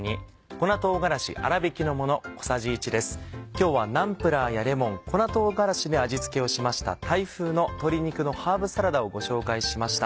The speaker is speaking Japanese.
今日はナンプラーやレモン粉唐辛子で味付けをしましたタイ風の「鶏肉のハーブサラダ」をご紹介しました。